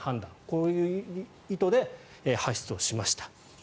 こういう意図で発出をしました。